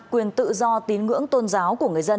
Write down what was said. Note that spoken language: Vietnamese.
quyền tự do tín ngưỡng tôn giáo của người dân